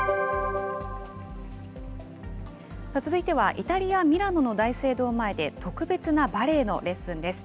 続いてはイタリア・ミラノの大聖堂前で特別なバレエのレッスンです。